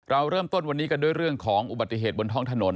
เราเริ่มต้นวันนี้กันด้วยเรื่องของอุบัติเหตุบนท้องถนน